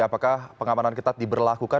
apakah pengamanan ketat diberlakukan